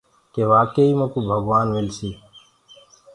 ڪي واڪي ئي مڪوُ ڪي ڀگوآن مِلسي۔